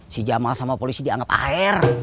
si jamal sama polisi dianggap ar